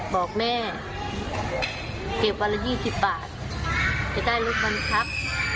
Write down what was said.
บอกแม่เก็บวันละ๒๐บาทจะได้ลูกบังคับ